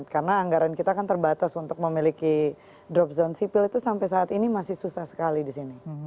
karena anggaran kita kan terbatas untuk memiliki drop zone sipil itu sampai saat ini masih susah sekali di sini